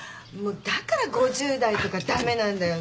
だから５０代とか駄目なんだよね。